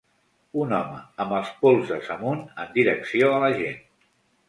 un home amb els polzes amunt en direcció a la gent.